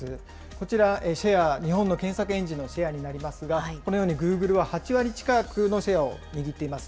こちら、シェア、日本の検索エンジンのシェアになりますが、このようにグーグルは８割近くのシェアを握っています。